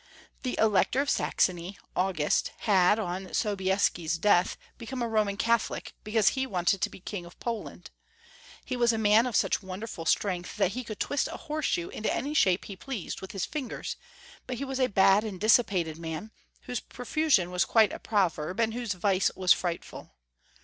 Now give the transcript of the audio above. The Elector of Saxony, August, had, on So bieski's death, become a Roman Catholic, because he wanted to be King of Poland. He was a man of such wonderful strength that he could twist a horseshoe into any shape he pleased with his fingers, but he was a bad and dissipated man, whose profusion was quite a proverb, and whose 868 Young Folks' History of Q ermany. vice was frightful.